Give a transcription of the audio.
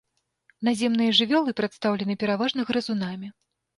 Наземныя жывёлы прадстаўлены пераважна грызунамі.